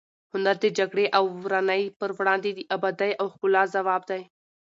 هنر د جګړې او ورانۍ پر وړاندې د ابادۍ او ښکلا ځواب دی.